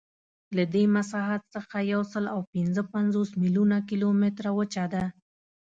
له دې مساحت څخه یوسلاوپینځهپنځوس میلیونه کیلومتره وچه ده.